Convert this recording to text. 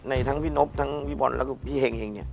ทั้งพี่นบทั้งพี่บอลแล้วก็พี่เห็งเนี่ย